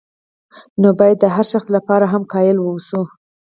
نو باید د هر شخص لپاره هم قایل واوسو.